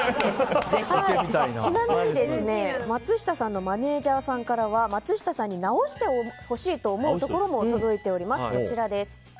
ちなみに、松下さんのマネジャーさんからは松下さんに直してほしいと思うところも届いております。